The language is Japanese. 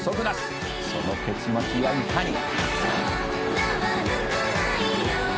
「その結末やいかに」